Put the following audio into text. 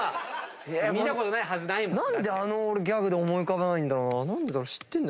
何であのギャグで思い浮かばないんだろうな。